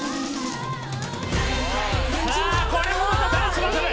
さあこれもまたダンスバトル。